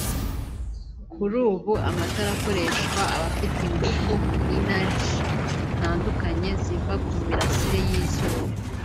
Kuri ubu amatara akoreshwa aba afite ingufu (Energie) zitandukanye ziva ku mirasire y’izuba